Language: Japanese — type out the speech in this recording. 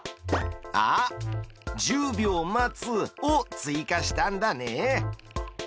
あっ「１０秒待つ」を追加したんだね。